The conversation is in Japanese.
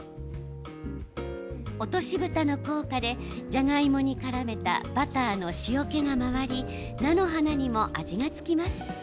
落としぶたの効果でじゃがいもにからめたバターの塩けが回り菜の花にも味が付きます。